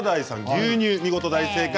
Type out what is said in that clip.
牛乳、見事大正解。